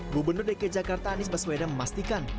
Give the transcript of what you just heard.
gubernur dki jakarta anies baswedan memastikan